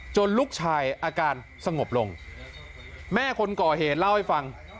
ลูกชายอาการสงบลงแม่คนก่อเหตุเล่าให้ฟัง